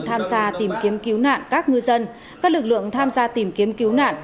tham gia tìm kiếm cứu nạn các ngư dân các lực lượng tham gia tìm kiếm cứu nạn